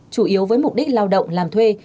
chủ yếu với mục đích lao động làm thuê